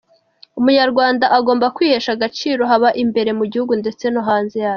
Umunyarwanda agomba kwihesha agaciro haba imbere mu gihugu ndetse no hanze yacyo.